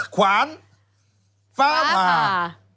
ขวานฟ้าผ่าฟ้าผ่า